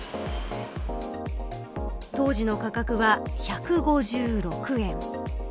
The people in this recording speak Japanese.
当時の価格は１５６円。